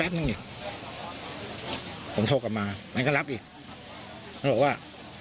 แป๊บนึงหนึ่งต้นโทรปรัมมาก็ลับอีกบอกว่า